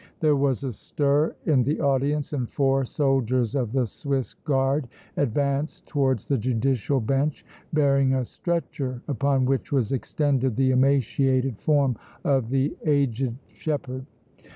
There was a stir in the audience and four soldiers of the Swiss Guard advanced towards the judicial bench, bearing a stretcher upon which was extended the emaciated form of the aged shepherd.